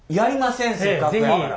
せっかくやから。